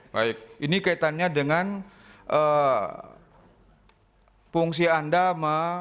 baik ini kaitannya dengan fungsi anda